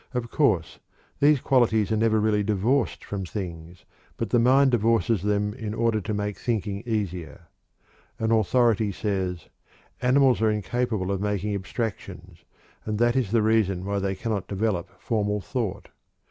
Of course these qualities are really never divorced from things, but the mind divorces them in order to make thinking easier. An authority says: "Animals are incapable of making abstractions, and that is the reason why they cannot develop formal thought.